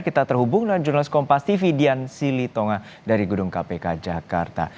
kita terhubung dengan jurnalis kompas tv dian silitonga dari gedung kpk jakarta